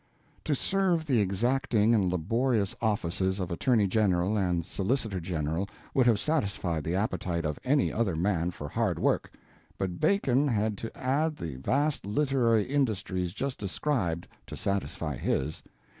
To serve the exacting and laborious offices of Attorney General and Solicitor General would have satisfied the appetite of any other man for hard work, but Bacon had to add the vast literary industries just described, to satisfy his.